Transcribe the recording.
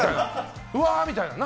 うわーみたいな、何、